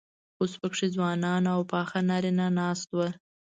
اوس پکې ځوانان او پاخه نارينه ناست وو.